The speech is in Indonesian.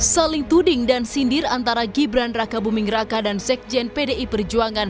saling tuding dan sindir antara gibran raka buming raka dan sekjen pdi perjuangan